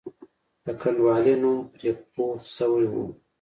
د کنډوالې نوم پرې پوخ شوی وو.